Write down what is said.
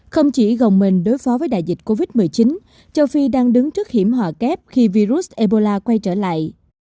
không chỉ gồng mình đối phó với đại dịch covid một mươi chín châu phi đang đứng trước hiểm họa kép khi virus ebola quay trở lại